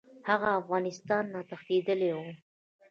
هغه افغانستان ته تښتېدلی وو.